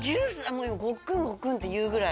もう今ゴックンゴックンっていうぐらい。